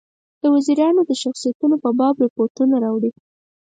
د وزیرانو د شخصیتونو په باب رپوټونه راوړي.